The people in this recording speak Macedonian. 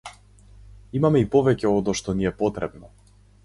Имаме и повеќе одошто ни е потребно.